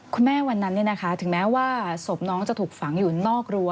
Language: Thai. คุณแม่วันนั้นเนี่ยนะคะถึงแม้ว่าสมน้องจะถูกฝังอยู่นอกรั้ว